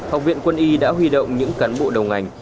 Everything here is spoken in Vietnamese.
học viện quân y đã huy động những cán bộ đầu ngành